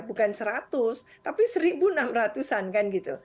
bukan seratus tapi seribu enam ratus an kan gitu